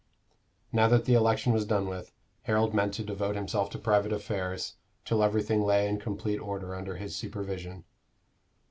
Now that the election was done with, Harold meant to devote himself to private affairs, till everything lay in complete order under his supervision.